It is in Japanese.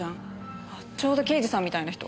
ちょうど刑事さんみたいな人。